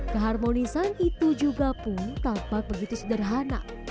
keharmonisan itu juga pun tampak begitu sederhana